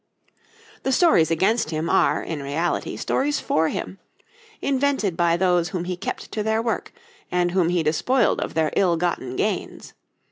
The stories against him are, in reality, stories for him, invented by those whom he kept to their work, and whom he despoiled of their ill gotten gains.